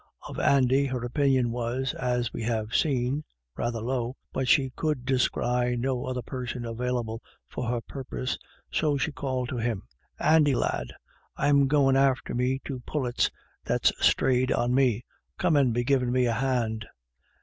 Of Andy her opinion was, as we have seen, rather low, but she could descry no other person available for her purpose, so she called to him: "Andy lad, I'm goin' after me two pullets that's strayed on me ; come and be givin* me a hand."